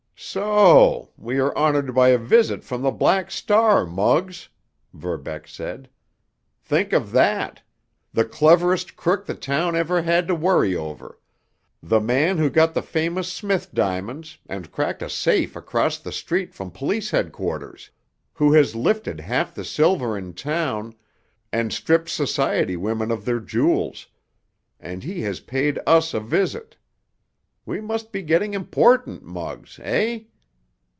"So! We are honored by a visit from the Black Star, Muggs!" Verbeck said. "Think of that! The cleverest crook the town ever had to worry over—the man who got the famous Smith diamonds and cracked a safe across the street from police headquarters, who has lifted half the silver in town and stripped society women of their jewels—and he has paid us a visit. We must be getting important, Muggs—eh?"